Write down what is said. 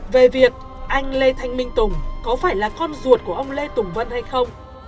về việc anh lê thanh minh tùng có phải là con ruột của ông lê tùng vân hay không